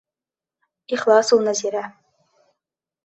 Ихлас ул Нәзирә.